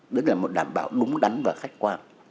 đấy là một đảm bảo đúng đắn và khách quan